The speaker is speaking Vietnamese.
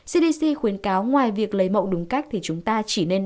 cdc khuyến cáo ngoài việc lấy mậu đúng cách thì chúng ta chỉ nên đọc